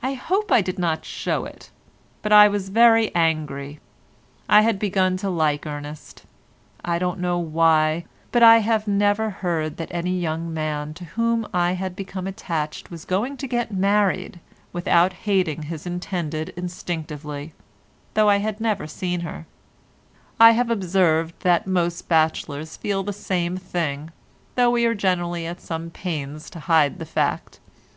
I hope I did not show it, but I was very angry. I had begun to like Ernest. I don't know why, but I never have heard that any young man to whom I had become attached was going to get married without hating his intended instinctively, though I had never seen her; I have observed that most bachelors feel the same thing, though we are generally at some pains to hide the fact.